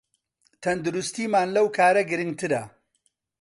تەندروستیمان لەو کارە گرنگترە